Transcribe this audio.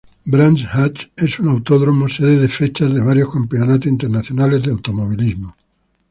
Brands Hatch es un autódromo sede de fechas de varios campeonatos internacionales de automovilismo.